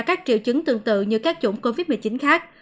các triệu chứng tương tự như các chủng covid một mươi chín khác